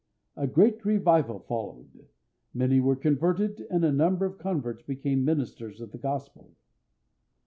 A great revival followed; many were converted, and a number of the converts became ministers of the Gospel.